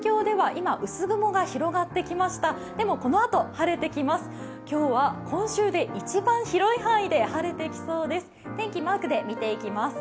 今日は今週で一番広い範囲で晴れてきそうです。